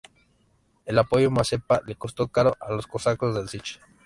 El apoyo a Mazepa le costó caro a los cosacos del Sich.